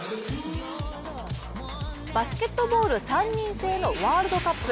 バスケットボール３人制のワールドカップ。